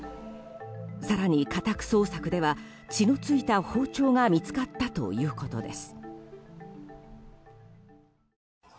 更に家宅捜索では血の付いた包丁が見つかったということです。